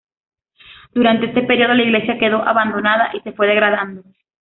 Durante este período la iglesia quedó abandonada y se fue degradando.